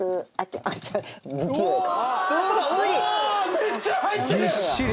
めっちゃ入ってる！